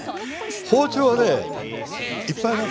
包丁はねいっぱいありますよ。